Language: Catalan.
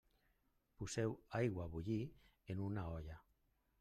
Poseu aigua a bullir en una olla.